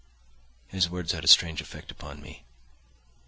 His words had a strange effect upon me.